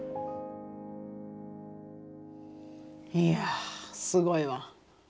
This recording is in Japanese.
いやすごいわ。